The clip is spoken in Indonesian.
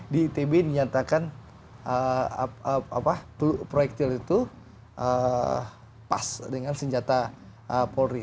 di itb dinyatakan proyektil itu pas dengan senjata polri